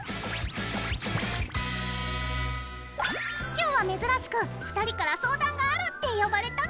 今日は珍しく２人から相談があるって呼ばれたんだよね。